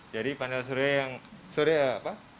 jadi panel surya yang surya apa